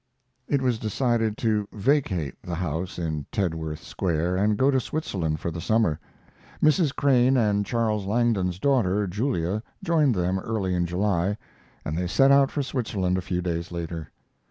It was decided to vacate the house in Tedworth Square and go to Switzerland for the summer. Mrs. Crane and Charles Langdon's daughter, Julia, joined them early in July, and they set out for Switzerland a few days later.